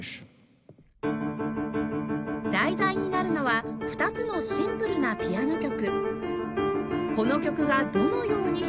題材になるのは２つのシンプルなピアノ曲